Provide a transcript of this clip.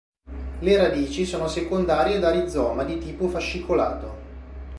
Le radici sono secondarie da rizoma di tipo fascicolato.